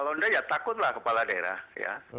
sebenarnya ya takutlah kepala daerah ya